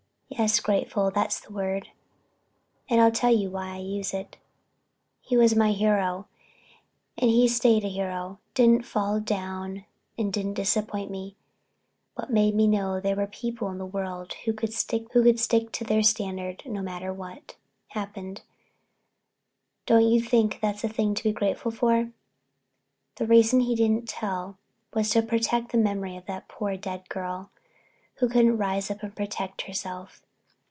Yes, grateful, that's the word. And I'll tell you why I use it. He was my hero and he stayed a hero, didn't fall down and disappoint me, but made me know there were people in the world who could stick to their standard no matter what happened. Don't you think that's a thing to be grateful for? The reason he didn't tell was to protect the memory of that poor dead girl, who couldn't rise up and protect herself.